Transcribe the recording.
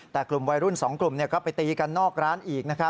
แต่กลุ่มวัยรุ่น๒กลุ่มก็ไปตีกันนอกร้านอีก